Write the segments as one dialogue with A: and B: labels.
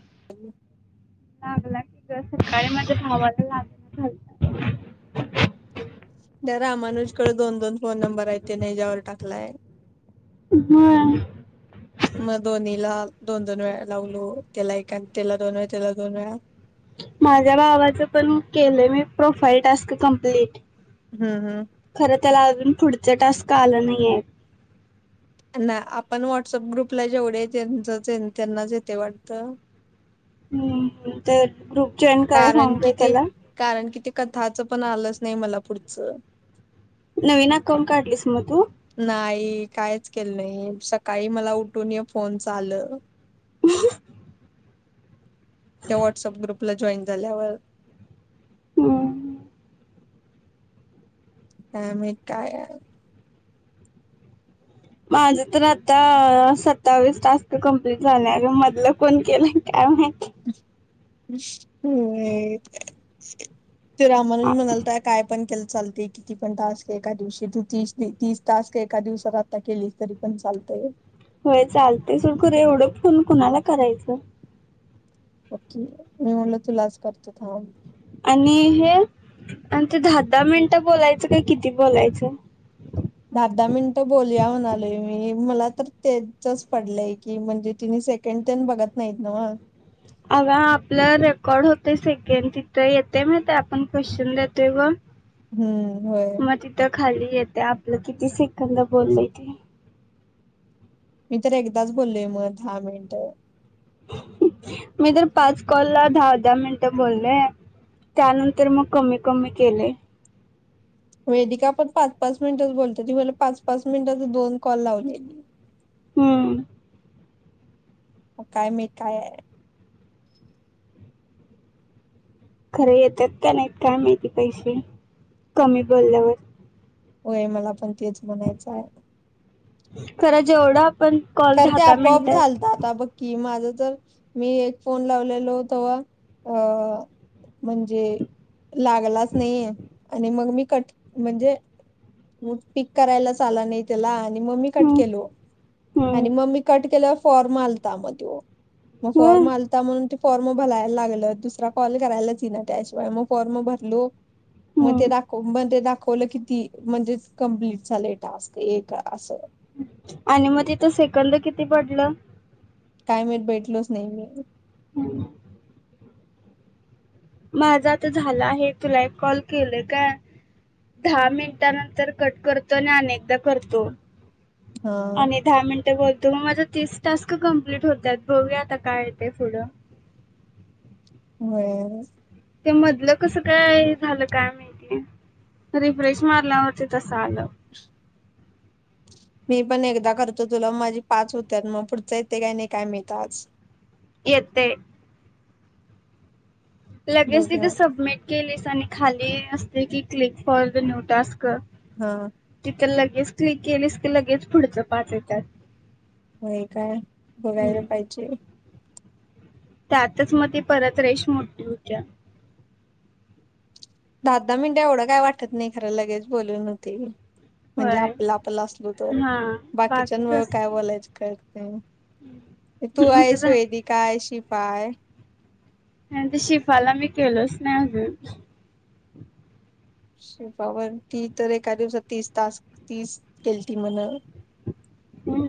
A: [inaudible]
B: हा [unintelligible] सर [unintelligible] सकाळी माझ्या भावाच [inaudible]
A: त्या रामानुजकड दोन-दोन फोन नंबर हायत तेन हेच्यावर टाकलाय.
B: [unintelligible]
A: मग दोन्हीला दोन-दोन वेळा लावलो. त्याला एक अन, त्याला दोन वेळा, त्याला दोन वेळा-
B: माझ्या भावाचं पण केलंय मी प्रोफाईल टास्क कंप्लीट.
A: हम्म हम्म.
B: [inaudible] खरं त्याला अजून- पुढचा टास्क आला नाहीयेत.
A: ना आपण व्हॉट्सअप ग्रुपला जेवढे त्यांच त्यांनाच येतय वाटत.
B: हम् ह ते ग्रुप जॉईन करायला
A: कारण
B: सांगतोय
A: की ते
B: त्याला
A: कारण की ते कथाच पण आलंच नाही मला पुढचं
B: नवीन अकाऊंट काढलीस मग तू
A: मी कायच केलं नाही सकाळी मला उठून फोनच आलं
B: [unintelligible]
A: त्या व्हॉट्सअप ग्रु प जॉईन झाल्यावर
B: हम्म
A: काय माहित काय है
B: माझं तर आता, सत्तावीस टास्क कंप्लीट झाल्या मधलं कोण केला काय मा
A: [inaudible] [unintelligible] [unintelligible] त्या रामानुज म्हणालता काय पण के चालतेय किती पण टास्क का एका दिवशी तू तीस तीस टास्क एका दिवसात आता केलीस तरी पण चालत
B: होय चालतय सोड, खर एवढं फोन कुणाला करायचं
A: बग की, मी म्हणल तुलाच करतो थांब
B: आणि हे आणि ते दहा दहा मिनिटं बोलायचं काय किती बोलायचं
A: दहा दहा मिनिटं बोलूया म्हणालोय मी. मला तर तेचच पडलंय की म्हणजे तिने सेकंड तेन बघत नाहीत नव्ह
B: अग आपलं रेकॉर्ड होतं सेकंड तिथं येते मग ते आपण क्वेश्चन देतोय ग
A: हम्म होय
B: म तिथं खाली येत ते आपलं किती सेकंद बोललोय ते
A: मी तर एकदाच बोललोय मग दहा मिनट
B: मी तर पाच कॉल ला दहा दहा मिनिटं बोलले त्यानंतर मग कमी कमी केलय
A: वेदिका पण पाच पाच मिनिटच बोलतो ती मला पाच पाच मिनिटच दोन कॉल लावलेली
B: हम्म
A: हो काय मी काय हाय
B: खरं येतात का नाहीत काय माहिती पैसे कमी बोलल्यावर
A: होय मला पण तेच म्हणायचं हाय
B: खर जेवढं आपण कॉल
A: खर
B: दहा
A: ते
B: दहा
A: आपोआप
B: मिनिटात
A: झालतात आता बघकी माझं र मी एक फोन लावलेलो तवा म्हणजे लागलाच नाही आणि मग मी क म्हणजे पिक करायलाच आला नाही त्याला आणि मम्मी कट
B: हम्म
A: केलो
B: हम्म
A: आणि मम्मी कट केल्याव फॉर्म आलता म तो, मग
B: होय
A: फॉर्म आलता म्हणून फॉर्म भलाय लागलं दुसरा कॉल करायलाच येईना त्याशिवाय मग फॉर्म भरलो. मे
B: हम्म
A: दाखो बंद दाख कोल किती म्हणजे, कंप्लीट झालय टास्क एक असं.
B: आणि मग तिथं सेकंद किती पडलं?
A: काय माहित बघितलं नाही मी.
B: हम. माझ आता झाला आहे, तुला एक कॉल केलं काय दहा मिनिटानंतर कट करतो आणि अनेकदा करतो.
A: हा
B: आणि दहा मिनटं बोल. तु माझ तीस टास्क कंप्लीट होतात. बघूया आता काय य ते पुुढ!
A: होय.
B: ते मधलं कस काय झालं काय माहिती. रिफ्रेश मारल्यावर ते तसं झालं.
A: मी पण एकदा खर्च तुला माझी पाच होत मग पुढच येते काही नाही काय माहीत आज.
B: येतंय. लगेच
A: बघ
B: तिथे सबमिट केलीस आणि खाली असते की click for the new task क
A: हा
B: तिक ल लगेच क्लिक केलीस, की लगेच पुढच पाच येतात.
A: होय काय बघायला
B: हम्म.
A: पाहिजे.
B: त्यातच मग ती परत रेश मोठीठी होत्या.
A: दहा दहा मिनिटं एवढं काय वाटत नाही खरं लगेच बोलून होते. म्हणजे
B: होय
A: आपला आपलं असलो तरो
B: हा बाकी
A: बाकीच्यां
B: कसं
A: काय बोलायच का तर तू आहे
B: म्हणजे झा-
A: वेदिका काशी पाय
B: आणि ते शिफाला मी केलंच नाही अजून.
A: शिपावर ती तर एका दिवसात तीस तास तीस केल ती म्हण!
B: हम.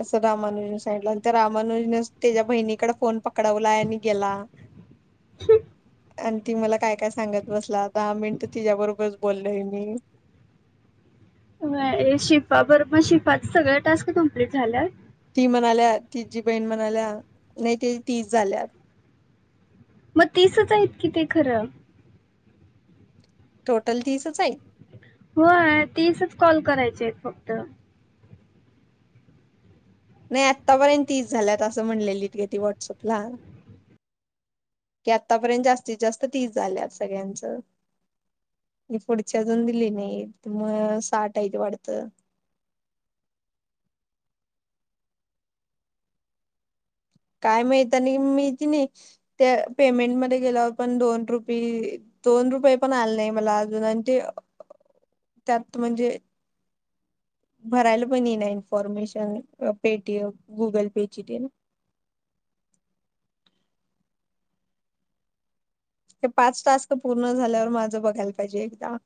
A: असं रामानुजी साईडला तर रामानुजने त्याच्या बहिणीकडे फोन पक कडवला आणि गेला. आणि ती मला काय काय सांगत बसला दहा मिनिट तिच्या बरोबरच बोललय मी,
B: शिफा बरो मग शिफाचा सगळ टास्क कम्प्लीट झाल्यात.
A: म्हणाल्यात तिजी बहीण म्हणाल्या नाही ते तीच झाल्यात.
B: म तीसच आहेत की ते खरं
A: टोटल तीसच आहे.
B: हो तीसच कॉल करायची आहेत फक्त
A: नाही आत्तापर्यंत तीस झाल्यात असं म्हणलेली ग ती ‌व्हॉट्सअपला की आतापर्यंत जास्तीत जास्त तीस झाल्यात सगळ्यांच मी पुढची अजून दिली नाही मग साठ आहेत वाटत. काय माहित नाही मीकी नाही त्या पेमेंटमध्येध्ये गेल्यावर पण दोन रुपय दोन रुपये पण आले नाही मला अजून आणि ते त्यात म्हणजे भरायला पण ये ना इन्फॉर्मेशन पेटीएम गुगल पेची दे ना हे पाच टास्क पूर्ण झाल्यावर माझं बघायला पाहिजे एकदा